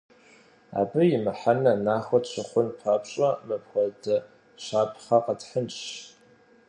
Абы и мыхьэнэр нахуэ тщыхъун папщӏэ, мыпхуэдэ щапхъэ къэтхьынщ.